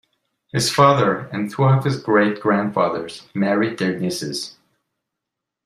His father and two of his great-grandfathers married their nieces.